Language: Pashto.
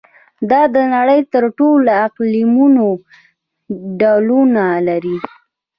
دا د نړۍ د ټولو اقلیمونو ډولونه لري.